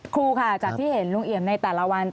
ครูค่ะจากที่เห็นลุงเอี่ยมในแต่ละวัน